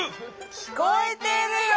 きこえてるよ。